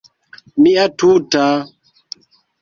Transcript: Mia tuta...